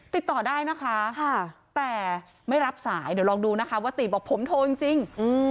ติดต่อได้นะคะแต่ไม่รับสายเดี๋ยวลองดูนะคะว่าตีบอกผมโทรจริง